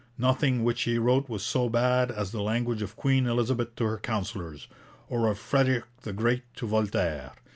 Nothing which he wrote was so bad as the language of Queen Elizabeth to her councillors, or of Frederick the Great to Voltaire.